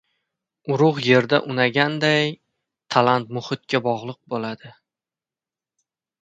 Urug‘ yerda unganiday, talant muhitga bog‘liq bo‘ladi.